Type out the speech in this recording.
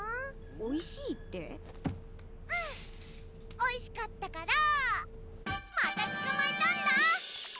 おいしかったからまた捕まえたんだ！